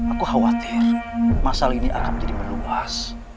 aku khawatir masalah ini akan menjadi meluas